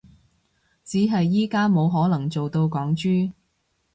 只係而家冇可能做到港豬